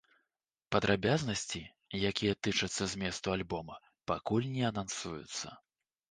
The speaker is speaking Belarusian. Падрабязнасці, якія тычацца зместу альбома, пакуль не анансуюцца.